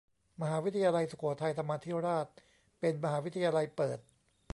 มหาวิทยาลัยสุโขทัยธรรมาธิราชเป็นมหาวิทยาลัยเปิด